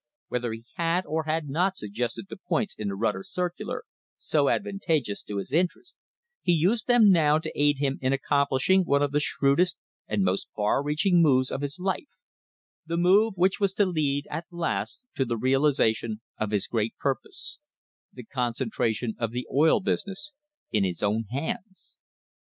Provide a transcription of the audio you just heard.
Whether he had or had not suggested the points in the "Rutter circular" so advantageous to his interests, he used them now to aid him in accomplishing one of the shrewdest and most far reaching moves of his life —the move which was to lead at last to the realisation of his Great Purpose — the concentration of the oil business in his own hands.